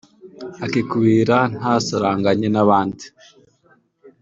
akikubira ntasaranganye n’abandi